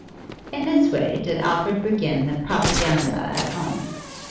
In this way did Alfred begin the 'propaganda' at home.